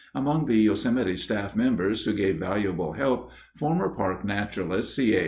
Among the Yosemite staff members who gave valuable help, former Park Naturalists_ _C. A.